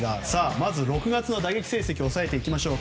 まず、６月の打撃成績を押さえていきましょう。